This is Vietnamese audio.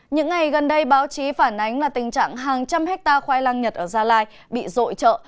những ngày gần đây báo chí phản ánh là tình trạng hàng trăm hectare khoai lang nhật ở gia lai bị rội trợ